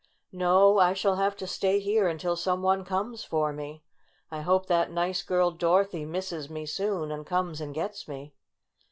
No, I shall have to stay here until some one comes for me. I hope that nice girl Dorothy misses me soon, and comes and gets me."